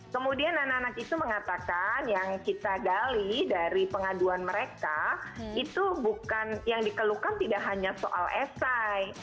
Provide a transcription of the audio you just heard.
kemudian anak anak itu mengatakan yang kita gali dari pengaduan mereka itu bukan yang dikeluhkan tidak hanya soal esai